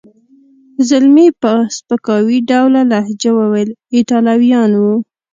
زلمی خان په سپکاوي ډوله لهجه وویل: ایټالویان و.